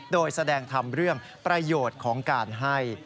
โดยแสดงทำเรื่องประโยชน์ของการให้